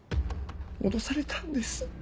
脅されたんです